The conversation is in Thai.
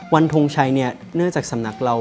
ทงชัยเนี่ยเนื่องจากสำนักเรา